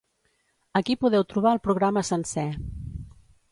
Aquí podeu trobar el programa sencer.